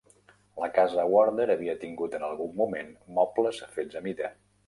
La casa Warder havia tingut en algun moment mobles fets a mida.